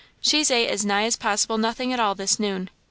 She's ate as nigh as possible nothing at all this noon.